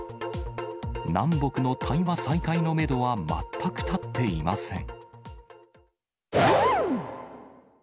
南北の対話再開のメドは全く立っていません。